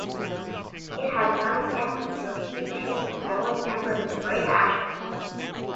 It has died down into a huge heap of glowing embers and grey ashes.